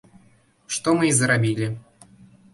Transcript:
Што мы і зрабілі.